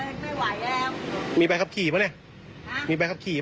น้ำรวดน้ำรวด